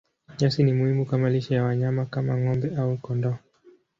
Nyasi ni muhimu kama lishe ya wanyama kama ng'ombe au kondoo.